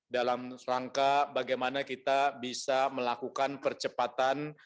dalam rangka bagaimana kita bisa melakukan percepatan